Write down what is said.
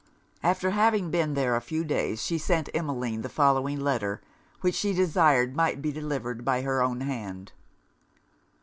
After having been there a few days, she sent to Emmeline the following letter, which she desired might be delivered by her own hand.